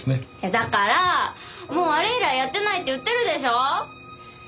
だからもうあれ以来やってないって言ってるでしょ。